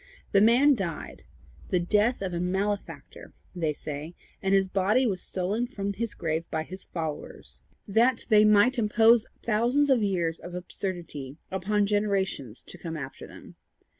The man died the death of a malefactor, they say; and his body was stolen from his grave by his followers, that they might impose thousands of years of absurdity upon generations to come after them.